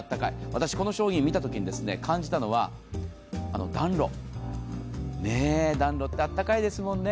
私、この商品を見た時に感じたのは暖炉、暖炉ってあったかいですもんね。